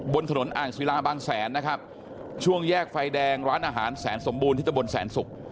บนถนนอ่างศิลาบางแสนนะครับช่วงแยกไฟแดงร้านอาหารแสนสมบูรณ์ที่ตะบนแสนศุกร์